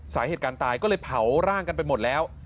สาเหตุการณ์ตายก็เลยเผาร่างกันไปหมดแล้ว